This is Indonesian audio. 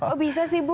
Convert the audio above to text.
oh bisa sih ibu